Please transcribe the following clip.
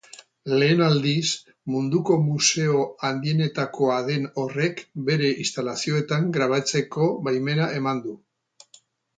Lehen aldiz munduko museo handienetakoa den horrek bere instalazioetan grabatzeko baimena eman du.